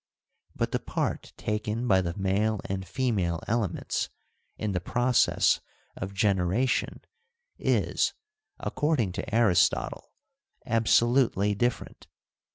But the part taken by the male and female ele ments in the process of generation is, according to Aristotle, absolutely different.